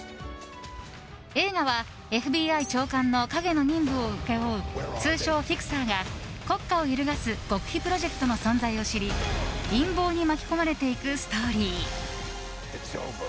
映画は、ＦＢＩ長官の陰の任務を請け負う通称フィクサーが国家を揺るがす極秘プロジェクトの存在を知り陰謀に巻き込まれていくストーリー。